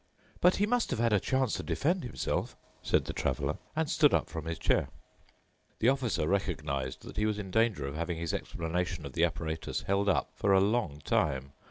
"But he must have had a chance to defend himself," said the Traveler and stood up from his chair. The Officer recognized that he was in danger of having his explanation of the apparatus held up for a long time.